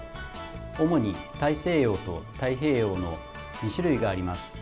主に大西洋と太平洋の２種類があります。